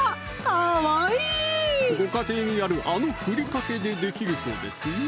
かわいいご家庭にあるあのふりかけでできるそうですよ